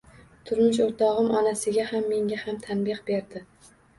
Turmush o`rtog`im onasiga ham menga ham tanbeh berdi